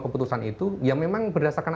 keputusan itu ya memang berdasarkan